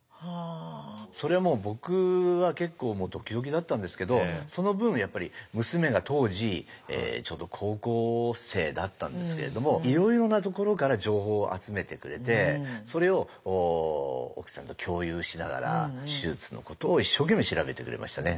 それはもう僕は結構ドキドキだったんですけどその分やっぱり娘が当時高校生だったんですけれどもいろいろなところから情報を集めてくれてそれを奥さんと共有しながら手術のことを一生懸命調べてくれましたね